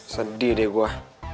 sedih deh gue